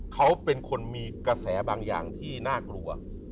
เขาเป็นคนมีกระแสบางอย่างที่น่ากลัว